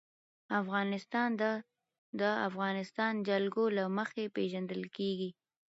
افغانستان د د افغانستان جلکو له مخې پېژندل کېږي.